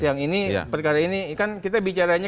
yang ini perkara ini kan kita bicaranya